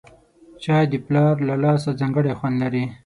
چای د پلار له لاسه ځانګړی خوند لري